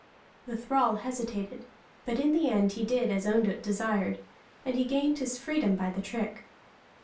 The thrall hesitated, but in the end he did as Ondott desired, and he gained his freedom by the trick.